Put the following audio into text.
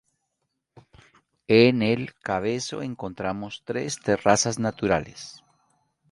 En el cabezo encontramos tres terrazas naturales.